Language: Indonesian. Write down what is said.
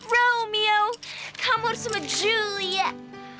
romeo kamu harus sama juliet